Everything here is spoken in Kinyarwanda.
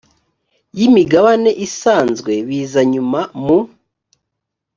y imigabane isanzwe biza nyuma mu